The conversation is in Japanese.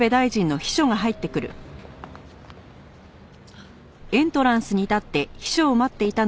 あっ。